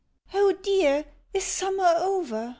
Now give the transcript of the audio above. "Oh dear! is Summer over?"